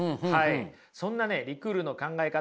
そんなねリクールの考え方